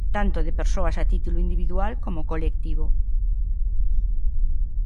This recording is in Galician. Tanto de persoas a título individual como colectivo.